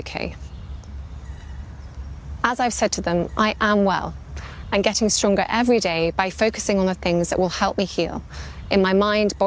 saya menjadi lebih kuat setiap hari dengan fokus pada hal hal yang akan membantu saya sembuh